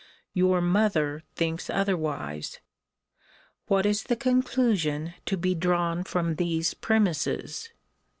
Your mother thinks otherwise. What is the conclusion to be drawn from these premises?